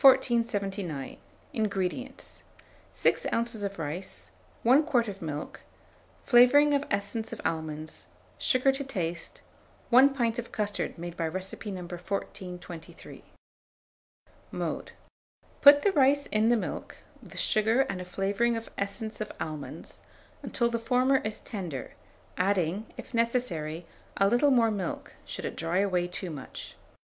1479. INGREDIENTS. 6 oz. of rice, 1 quart of milk, flavouring of essence of almonds, sugar to taste, 1 pint of custard made by recipe No. 1423. Mode. Boil the rice in the milk, with sugar and a flavouring of essence of almonds, until the former is tender, adding, if necessary, a little more milk, should it dry away too much.